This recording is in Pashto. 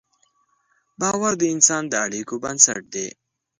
باور د انسان د اړیکو بنسټ دی.